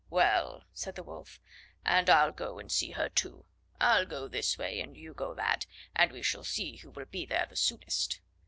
"Well," said the Wolf, "and I'll go and see her too. I'll go this way and you go that, and we shall see who will be there soonest."